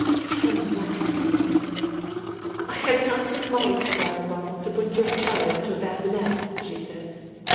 Helen laughed, wildly. "I have not the smallest desire, Ronald, to put your 'cello into a bassinet!" she said.